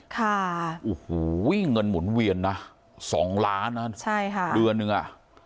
ค่ะโอ้โหเงินหมุนเวียนนะสองล้านนะใช่ค่ะเดือนหนึ่งอ่ะ